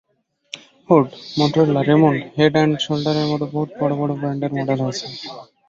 Ford, Motorola, Raymond, head and শোল্ডারের মতো বহু বড়সড় ব্র্যান্ডের মডেল হয়েছেন।